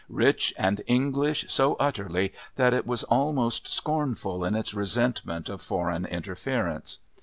Rich and English so utterly that it was almost scornful in its resentment of foreign interference.